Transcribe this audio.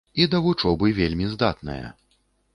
І да вучобы вельмі здатная.